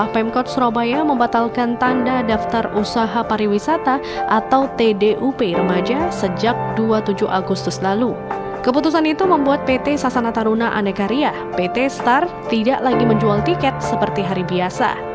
pemutusan ini menjual tiket seperti hari biasa